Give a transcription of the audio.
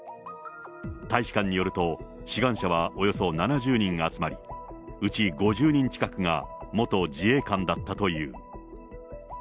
大使館によると、志願者はおよそ７０人集まり、うち５０人近くが元自衛官だったという。